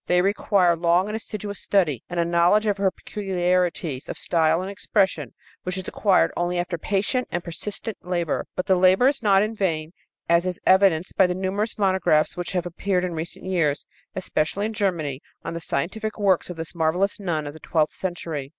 They require long and assiduous study and a knowledge of her peculiarities of style and expression which is acquired only after patient and persistent labor. But the labor is not in vain, as is evidenced by the numerous monographs which have appeared in recent years, especially in Germany, on the scientific works of this marvelous nun of the twelfth century.